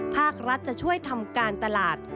ภาครัฐจะช่วยทำการตลาด